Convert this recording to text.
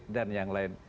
dan yang lain